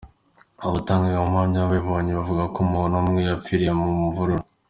Abatangabuhamya babibonye bavuga ko umuntu umwe yapfiriye mu mvururu.